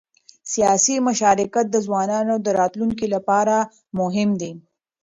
سیاسي مشارکت د ځوانانو د راتلونکي لپاره مهم دی